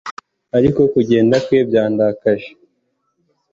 ariko kugenda kwe byarakaje